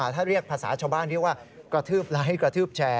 ถ้าเรียกภาษาชาวบ้านเรียกว่ากระทืบไลค์กระทืบแชร์